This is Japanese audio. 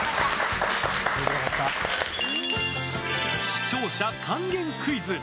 視聴者還元クイズ！